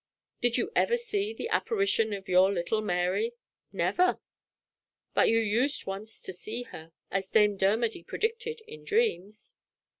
"Did you ever see the apparition of your little Mary?" "Never!" "But you used once to see her as Dame Dermody predicted in dreams?"